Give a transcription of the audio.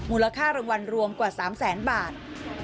มูลค่ารางวัลรวมกว่า๓แสนบาท